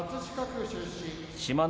志摩ノ